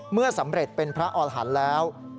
เมื่อสำเร็จเป็นพระอรหันต์แล้ว